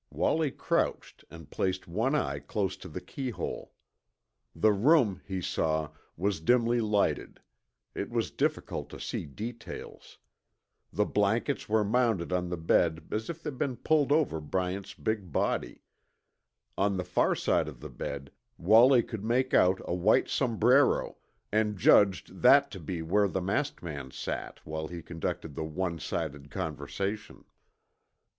Wallie crouched and placed one eye close to the keyhole. The room, he saw, was dimly lighted. It was difficult to see details. The blankets were mounded on the bed as if they'd been pulled over Bryant's big body. On the far side of the bed Wallie could make out a white sombrero, and judged that to be where the masked man sat while he conducted the one sided conversation.